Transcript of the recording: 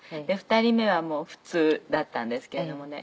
２人目は普通だったんですけれどもね。